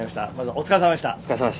お疲れさまでした。